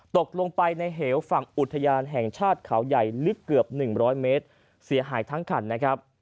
ตกลงไปในเหวฝั่งอุทยานแห่งชาติเขาใหญ่ลึกเกือบ๑๐๐เมตรเสียหายทั้งคันนะครับ